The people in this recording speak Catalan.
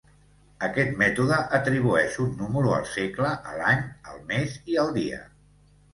Aquest mètode atribueix un número al segle, a l'any, al mes i al dia.